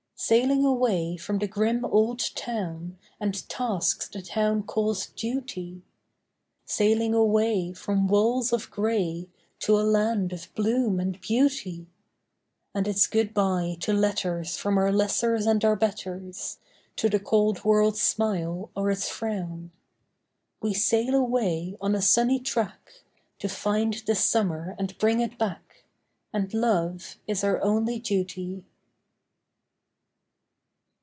Sailing away from the grim old town And tasks the town calls duty; Sailing away from walls of grey To a land of bloom and beauty, And it's good bye to letters from our lessers and our betters, To the cold world's smile or its frown. We sail away on a sunny track To find the summer and bring it back And love is our only duty.